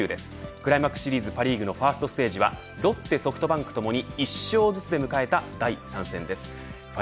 クライマックスシリーズパ・リーグのファーストステージはロッテ、ソフトバンクともに１勝づつで迎えた第３戦です。